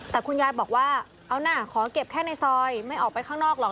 แต่คุณยายบอกว่าเอานะขอเก็บแค่ในซอยไม่ออกไปข้างนอกหรอก